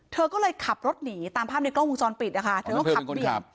เธอก็เลยขับรถหนีตามภาพในกล้องวงจรปิดนะคะเธอก็ขับเบี่ยง